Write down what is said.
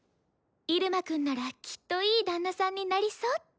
イルマくんならきっといい旦那さんになりそうって。